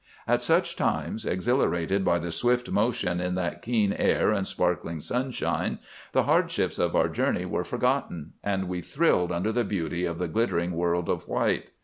"At such times, exhilarated by the swift motion in that keen air and sparkling sunshine, the hardships of our journey were forgotten, and we thrilled under the beauty of the glittering world of white.